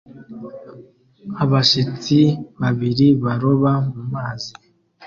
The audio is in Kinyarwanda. Abashitsi babiri baroba mu mazi